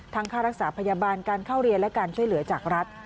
ค่ารักษาพยาบาลการเข้าเรียนและการช่วยเหลือจากรัฐ